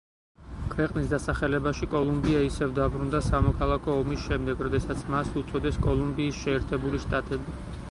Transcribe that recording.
ქვეყნის დასახელებაში კოლუმბია ისევ დაბრუნდა, სამოქალაქო ომის შემდეგ, როდესაც მას უწოდეს კოლუმბიის შეერთებული შტატები.